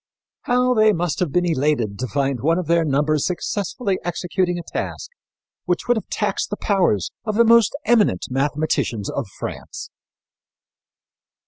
How they must have been elated to find one of their number successfully executing a task which would have taxed the powers of the most eminent mathematicians of France!